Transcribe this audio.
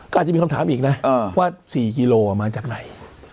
ก็อาจจะมีคำถามอีกนะว่า๔กิโลมาจากไหน